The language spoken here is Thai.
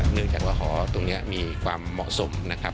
เนื่องจากว่าหอตรงนี้มีความเหมาะสมนะครับ